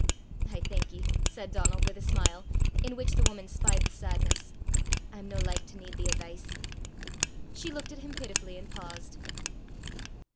"I thank ye," said Donal, with a smile, in which the woman spied the sadness; "I'm no like to need the advice." She looked at him pitifully, and paused.